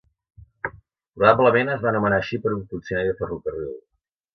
Probablement es va anomenar així per un funcionari de ferrocarril.